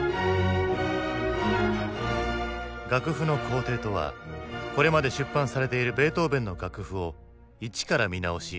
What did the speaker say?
楽譜の校訂とはこれまで出版されているベートーヴェンの楽譜を一から見直し